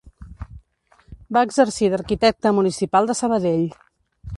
Va exercir d'arquitecte municipal de Sabadell.